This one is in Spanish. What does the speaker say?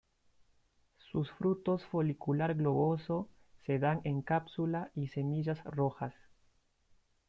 Sus frutos folicular globoso, se dan en cápsula y semillas rojas.